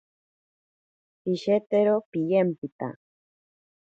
Pishetero piyempita.